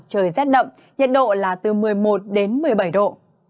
trời rét đậm nhiệt độ là từ một mươi một đến một mươi bảy độ